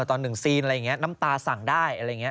ต่อ๑ซีนอะไรอย่างนี้น้ำตาสั่งได้อะไรอย่างนี้